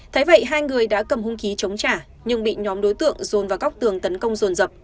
thấy vậy hai người đã cầm hung khí chống trả nhưng bị nhóm đối tượng dồn vào góc tường tấn công rồn dập